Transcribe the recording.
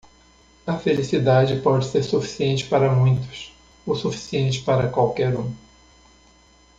A felicidade pode ser suficiente para muitos, o suficiente para qualquer um.